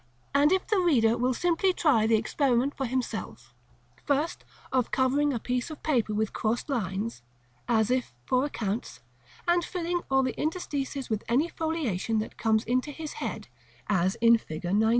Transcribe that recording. and if the reader will simply try the experiment for himself, first, of covering a piece of paper with crossed lines, as if for accounts, and filling all the interstices with any foliation that comes into his head, as in Figure XIX.